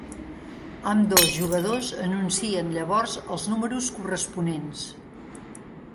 Ambdós jugadors anuncien llavors els números corresponents.